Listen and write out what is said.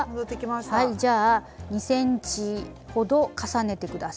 はいじゃあ２ｃｍほど重ねて下さい。